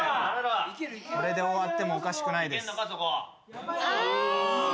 これで終わってもおかしくないです。